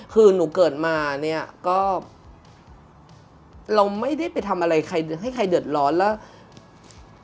คือหนูเกิดมาเนี่ยก็เราไม่ได้ไปทำอะไรใครให้ใครเดือดร้อนแล้ว